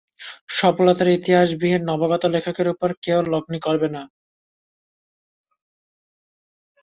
সফলতার ইতিহাস বিহীন নবাগত লেখকের উপর কেউ লগ্নি করবে না।